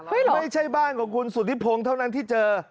ไม่ใช่บ้านของคุณสุธิพงศ์เท่านั้นที่เจอ